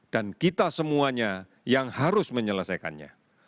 dan kita semuanya yang harus menyelesaikannya